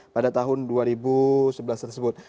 pada tahun dua ribu sebelas tersebut